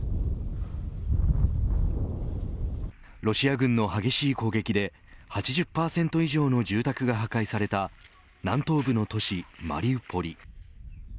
ロシア軍の激しい攻撃で８０％以上の住宅が破壊された南東部の都市マリウポリ。